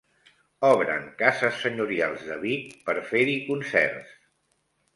Obren cases senyorials de Vic per fer-hi concerts